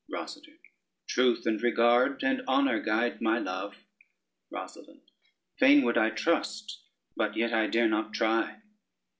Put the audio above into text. ROSADER Truth, and regard, and honor, guide my love. ROSALYNDE Fain would I trust, but yet I dare not try.